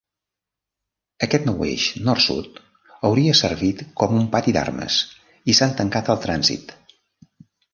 Aquest nou eix Nord-Sud hauria servit com un pati d'armes, i s'han tancat al trànsit.